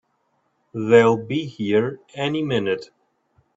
They'll be here any minute!